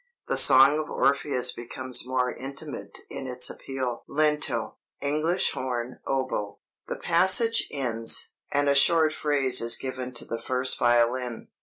The song of Orpheus becomes more intimate in its appeal [Lento ... English horn, oboe.] The passage ends, ... and a short phrase is given to the first violin.